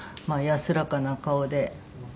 まあ安らかな顔で。